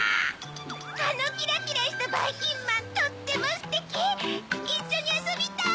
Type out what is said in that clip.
あのキラキラしたばいきんまんとってもステキ！いっしょにあそびたい！